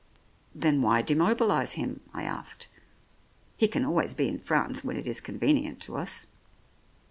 "Then why demobilize him?" I asked. "He can always be in France when it is convenient to us."